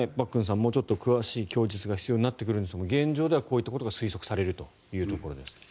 もうちょっと詳しい供述が必要になってくるんですが現状ではこういったことが推測されるということです。